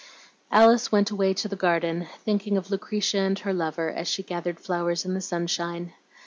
Alice went away to the garden, thinking of Lucretia and her lover, as she gathered flowers in the sunshine.